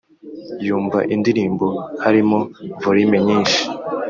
yumva indirimbo harimo volume nyinshi